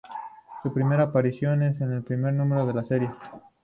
Su primera aparición es en el primer número de la serie.